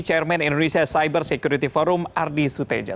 chairman indonesia cyber security forum ardi suteja